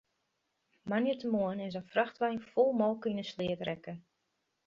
Moandeitemoarn is in frachtwein fol molke yn 'e sleat rekke.